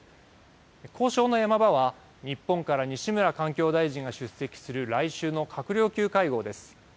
交渉のヤマ場は日本から西村環境大臣が出席する来週の閣僚級会合です。